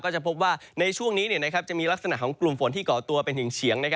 จะพบว่าในช่วงนี้จะมีลักษณะของกลุ่มฝนที่ก่อตัวเป็นถึงเฉียง